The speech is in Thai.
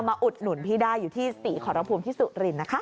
ซื้อลอตเตอรี่สวัสดีขอรับภูมิที่สุฬินนะ